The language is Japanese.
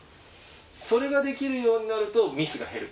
それができるようになるとミスが減る。